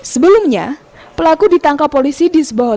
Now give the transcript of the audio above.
sebelumnya pelaku ditangkap polisi di sebuah hotel